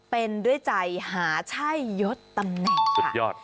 เป็นด้วยใจหาใช่ยดตำแหน่งสุดยอด